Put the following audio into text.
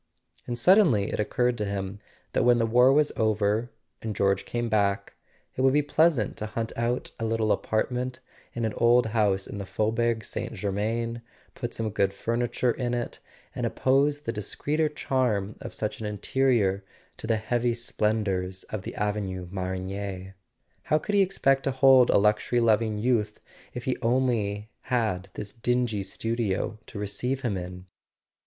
And suddenly it occurred to him that when the war was over, and George came back, it would be pleasant to hunt out a little apartment in an old house in the Faubourg St. Germain, put some good furniture in it, and oppose the discreeter charm of such an interior to the heavy splendours of the Avenue Marigny. How could he expect to hold a luxury loving youth if he had only this dingy studio to receive him in